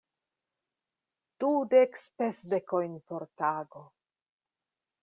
Dudek spesdekojn por tago!